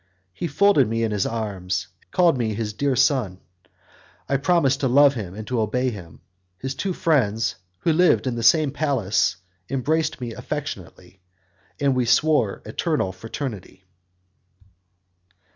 He folded me in his arms, called me his dear son; I promised to love and to obey him; his two friends, who lived in the same palace, embraced me affectionately, and we swore eternal fraternity.